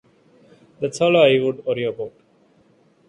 That's all I would worry about.